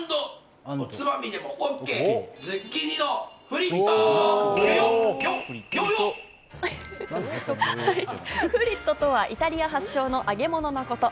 フリットとはイタリア発祥の揚げ物のこと。